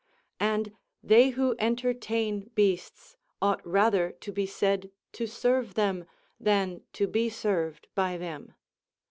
And they who entertain beasts ought rather to be said to serve them, than to be served by them.